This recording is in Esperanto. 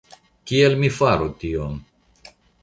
Kial mi faru tion?